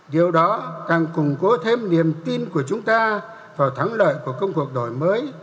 điều đó càng củng cố thêm niềm tin của chúng ta vào thắng lợi của công cuộc đổi mới